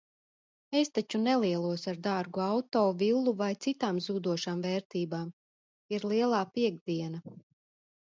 Es taču nelielos ar dārgu auto, villu vai citām zūdošām vērtībām. Ir lielā piektdiena.